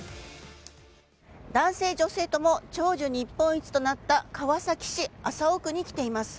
男性女性とも長寿日本一となった川崎市麻生区に来ています。